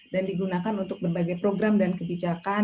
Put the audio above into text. dan digunakan untuk berbagai program dan kebijakan